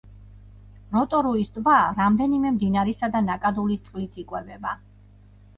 როტორუის ტბა რამდენიმე მდინარისა და ნაკადულის წყლით იკვებება.